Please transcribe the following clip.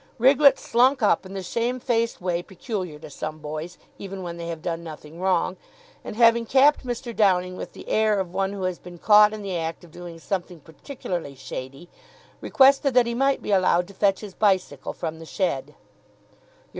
Riglett slunk up in the shamefaced way peculiar to some boys, even when they have done nothing wrong, and, having capped Mr. Downing with the air of one who has been caught in the act of doing something particularly shady, requested that he might be allowed to fetch his bicycle from the shed.